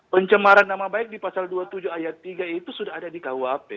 pencemaran nama baik di pasal dua puluh tujuh ayat tiga itu sudah ada di kuhp